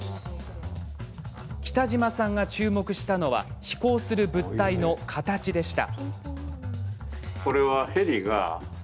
北島さんが注目したのは飛行する物体の形でした。